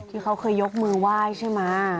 ที่เขาเคยยกมือไหว้ใช่ไหม